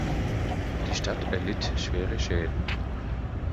Die Stadt erlitt schwere Schäden.